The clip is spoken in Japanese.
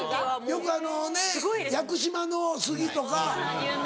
よくあの屋久島の杉とか。